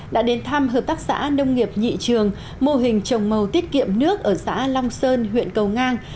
đã đến thăm hợp tác xã nông nghiệp nhị trường mô hình trồng màu tiết kiệm nước ở xã long sơn huyện cầu ngang